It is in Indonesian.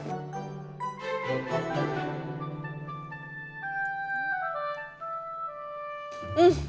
enak juga loh